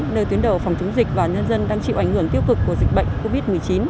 nơi tuyến đầu phòng chống dịch và nhân dân đang chịu ảnh hưởng tiêu cực của dịch bệnh covid một mươi chín